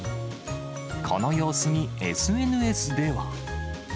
この様子にＳＮＳでは。